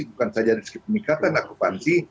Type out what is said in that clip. bukan saja dari segi peningkatan akupansi